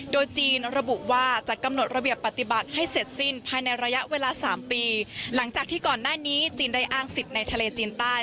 โดยจีนระบุว่าจะกำหนดระเบียบปฏิบัติให้เสร็จสิ้นภายในระยะเวลา๓ปีหลังจากที่ก่อนหน้านี้จีนได้อ้างสิทธิ์ในทะเลจีนใต้